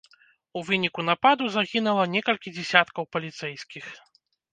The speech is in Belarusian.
У выніку нападу загінула некалькі дзясяткаў паліцэйскіх.